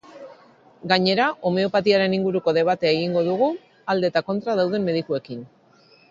Gainera, homeopatiaren inguruko debatea egingo dugu alde eta kontra dauden medikuekin.